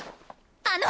あの！